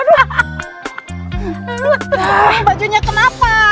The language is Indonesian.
baju nya kenapa